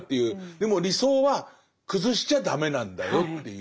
でも理想は崩しちゃ駄目なんだよっていう。